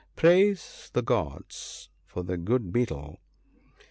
Praise the gods for the good Betel !